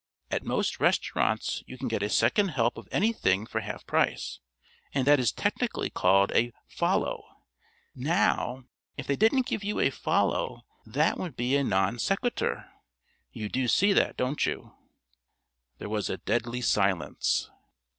At most restaurants you can get a second help of anything for half price, and that is technically called a 'follow.' Now, if they didn't give you a follow, that would be a Non sequitur.... You do see that, don't you?" There was a deadly silence.